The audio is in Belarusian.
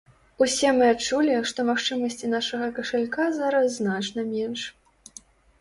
Усе мы адчулі, што магчымасці нашага кашалька зараз значна менш.